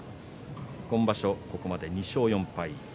今場所、ここまで２勝４敗です。